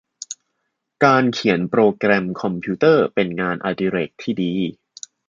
การเขียนโปรแกรมคอมพิวเตอร์ เป็นงานอดิเรกที่ดี